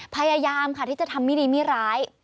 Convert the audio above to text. พยายามค่ะที่จะทำไม่ดีไม่ร้าย